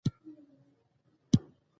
د تیرا د خلکو سوله وشي.